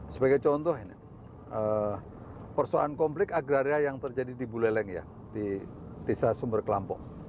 sebagai contoh ini persoalan konflik agraria yang terjadi di buleleng ya di desa sumber kelampung